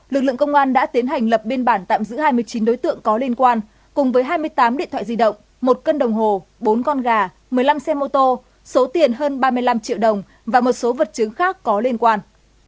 lực lượng công an đã tiến hành lập biên bản tạm giữ hai mươi chín đối tượng có liên quan cùng với hai mươi tám điện thoại di động một cân đồng hồ bốn con gà một mươi năm xe mô tô số tiền hơn ba mươi năm triệu đồng và một số vật chứng khác có liên quan